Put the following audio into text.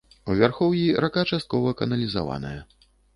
У вярхоўі рака часткова каналізаваная.